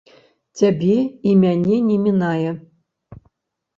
Цябе і мяне не мінае.